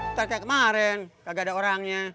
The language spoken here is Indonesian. ntar kayak kemarin kagak ada orangnya